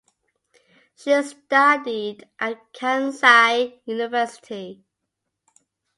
She studied at Kansai University.